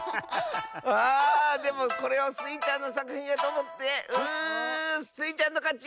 あでもこれをスイちゃんのさくひんやとおもってうスイちゃんのかち！